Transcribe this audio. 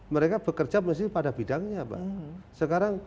mereka bekerja pada bidangnya